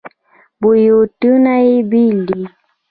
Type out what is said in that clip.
بویونه یې بیل دي.